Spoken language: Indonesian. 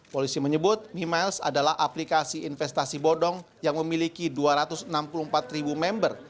polisi menyebut mimiles adalah aplikasi investasi bodong yang memiliki dua ratus enam puluh empat ribu member